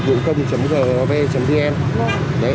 thì em có thể tra cứu vào website www dictvucong gov vn